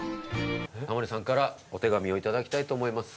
タモリさんからお手紙を頂きたいと思います。